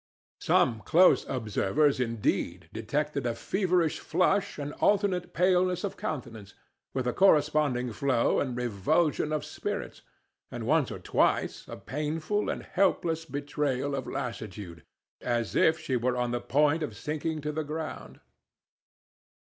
Some close observers, indeed, detected a feverish flush and alternate paleness of countenance, with a corresponding flow and revulsion of spirits, and once or twice a painful and helpless betrayal of lassitude, as if she were on the point of sinking to the ground.